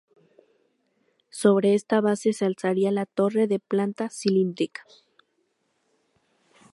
Sobre esta base se alzaría la torre de planta cilíndrica.